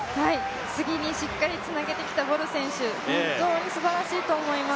次にしっかりつなげてきたボル選手、本当にすばらしいと思います。